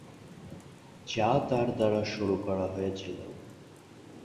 যা তার দ্বারা শুরু করা হয়েছিল।